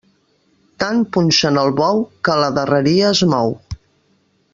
Tant punxen el bou, que a la darreria es mou.